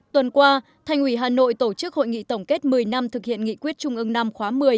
tuần qua thành ủy hà nội tổ chức hội nghị tổng kết một mươi năm thực hiện nghị quyết trung ương năm khóa một mươi